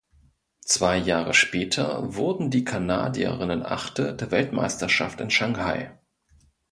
Zwei Jahre später wurden die Kanadierinnen Achte der Weltmeisterschaft in Schanghai.